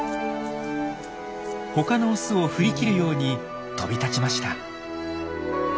ほかのオスを振り切るように飛び立ちました。